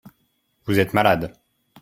Vous êtes malade.